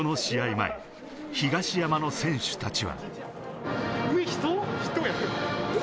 前、東山の選手たちは。